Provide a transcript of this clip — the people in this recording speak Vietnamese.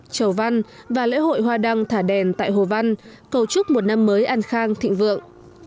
trầu văn và lễ hội hoa đăng thả đèn tại hồ văn cầu chúc một năm mới an khang thịnh vượng